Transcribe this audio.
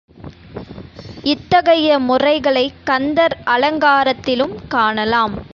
இத்தகைய முறைகளைக் கந்தர் அலங்காரத்திலும் காணலாம்.